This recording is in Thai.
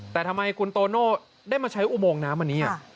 แต่ทำไมคุณโตโน่ได้มาใช้อุโมงน้ำอันนี้